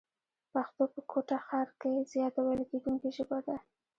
پښتو په کوټه ښار کښي زیاته ويل کېدونکې ژبه ده.